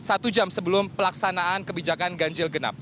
satu jam sebelum pelaksanaan kebijakan ganjil genap